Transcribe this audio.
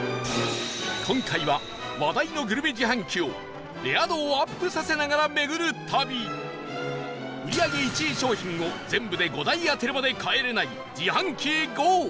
今回は、話題のグルメ自販機をレア度をアップさせながら巡る旅売り上げ１位商品を全部で５台当てるまで帰れない自販機へゴー！